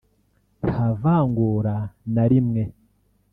nta vangura na rimwe